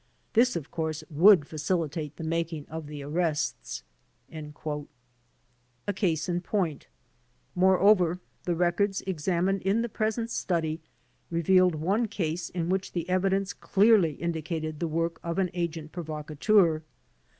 This, of course, would facilitate the making of the arrests." A Case in Point Moreover, the records examined in the present study revealed one case in which the evidence clearly indicated the work of an agent provocateur.